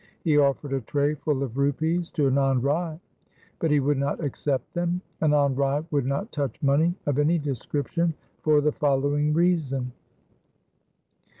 He offered a tray full of rupees to Anand Rai, but he would not accept them. Anand Rai would not touch money of any description for the following reason.